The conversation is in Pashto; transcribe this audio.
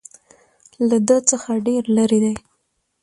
له ده څخه ډېر لرې دي.